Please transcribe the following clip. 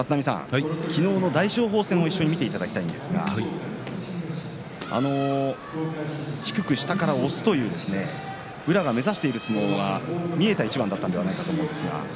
昨日の大翔鵬戦も一緒に見ていただきたいんですが低く下から押す宇良が目指している相撲が見えた一番じゃないかと思うんですが。